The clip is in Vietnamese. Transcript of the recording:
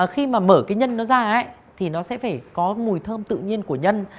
khi mà mở cái nhân nó ra ấy thì nó sẽ phải có mùi thơm tự nhiên của nhân